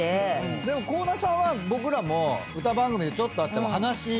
でも倖田さんは僕らも歌番組でちょっと会っても話しやすいですよ。